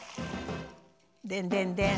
デンデンデン！